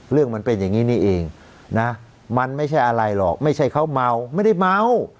มันเป็นอย่างนี้นี่เองนะมันไม่ใช่อะไรหรอกไม่ใช่เขาเมาไม่ได้เมา